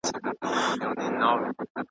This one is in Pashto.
نو به ښه وي چي پیدا نه کړې بل ځل خر .